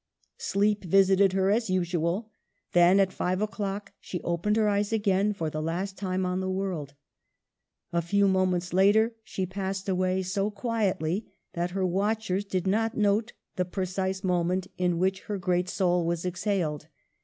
Sleep visited her as usual ; then at 5 o'clock she opened her eyes again, for the last time on the world. A few moments later she passed away, so quietly that her watchers did not note the precise moment in which her Digitized by VjOOQIC 204 MADAME DE STAEL. great soul was exhaled.